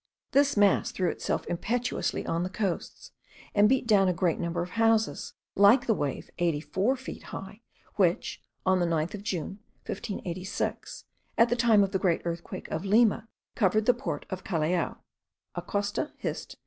This mass threw itself impetuously on the coasts, and beat down a great number of houses; like the wave eighty four feet high, which on the 9th of June, 1586, at the time of the great earthquake of Lima, covered the port of Callao. Acosta Hist.